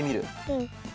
うん。